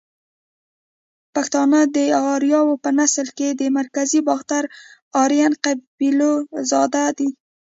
پښتانه ده اریاو په نسل کښی ده مرکزی باختر آرین قبیلو زواد دی